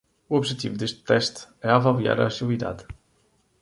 O objetivo deste teste é avaliar a agilidade.